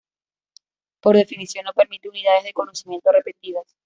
Por definición no permite unidades de conocimiento repetidas.